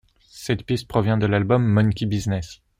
Cette piste provient de l'album Monkey Business.